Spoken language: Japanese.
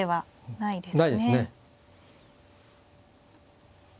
ないですね。